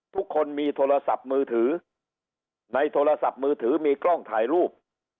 ทุกคนมีโทรศัพท์มือถือในโทรศัพท์มือถือมีกล้องถ่ายรูป